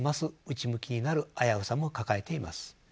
内向きになる危うさも抱えています。